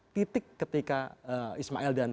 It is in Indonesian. titik ketika ismail dan